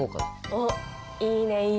おっいいねいいね。